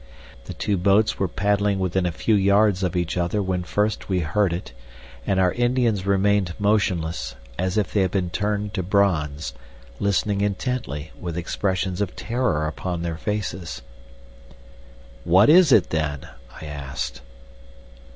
The two boats were paddling within a few yards of each other when first we heard it, and our Indians remained motionless, as if they had been turned to bronze, listening intently with expressions of terror upon their faces. "What is it, then?" I asked.